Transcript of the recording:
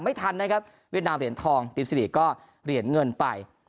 ไม่ทันนะครับเวียดนามเหรียญทองพิมซิริก็เหรียญเงินไป